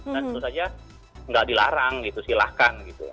dan itu saja nggak dilarang gitu silahkan gitu